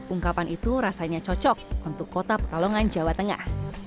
ungkapan itu rasanya cocok untuk kota pekalongan jawa tengah